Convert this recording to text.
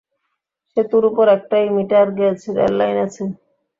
সেতুর ওপর একটাই মিটার গেজ রেললাইন আছে।